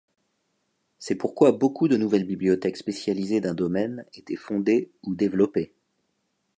C’est pourquoi beaucoup de nouvelles bibliothèques spécialisées d'un domaine étaient fondées ou développées.